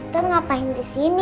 tuh ngapain di sini